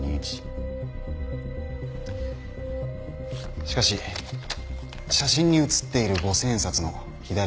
しかし写真に写っている五千円札の左下。